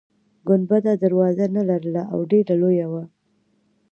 ګنبده دروازه نلرله او ډیره لویه وه.